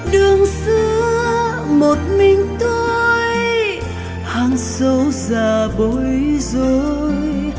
đường xưa một mình tôi hàng sâu già bối rối